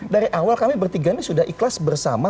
dari awal kami bertiga ini sudah ikhlas bersama